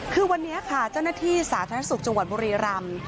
คือวันนี้ค่ะเจ้าหน้าที่สาธารณสุขจังหวัดบุรีรำ